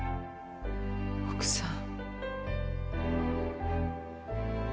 奥さん。